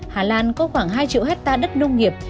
hà lan có khoảng hai triệu hectare đất nông nghiệp